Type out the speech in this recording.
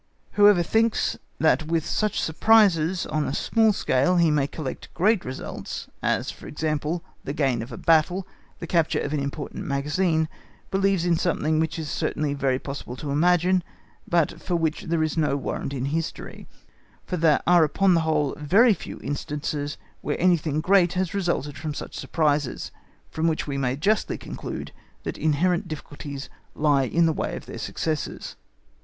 Whoever thinks that with such surprises on a small scale, he may connect great results—as, for example, the gain of a battle, the capture of an important magazine—believes in something which it is certainly very possible to imagine, but for which there is no warrant in history; for there are upon the whole very few instances where anything great has resulted from such surprises; from which we may justly conclude that inherent difficulties lie in the way of their success.